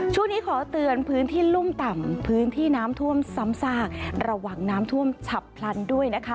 ขอเตือนพื้นที่รุ่มต่ำพื้นที่น้ำท่วมซ้ำซากระหว่างน้ำท่วมฉับพลันด้วยนะคะ